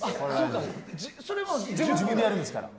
全部、自分でやるんですから。